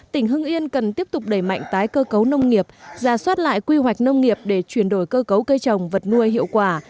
tỉnh hưng yên cần tiếp tục đẩy mạnh tái cơ cấu nông nghiệp giả soát lại quy hoạch nông nghiệp để chuyển đổi cơ cấu cây trồng vật nuôi hiệu quả